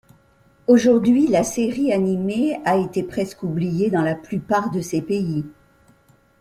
Aujourd'hui, la série animée a été presque oubliée dans la plupart de ces pays.